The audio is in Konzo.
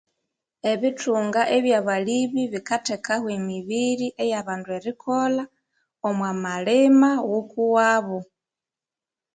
Ebithunga ebyabalimi bikathekaho emibiri eyabandu erikolha omwa malima ghukuwabo